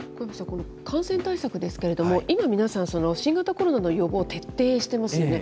感染対策ですけれども、今、皆さん新型コロナの予防を徹底してますよね。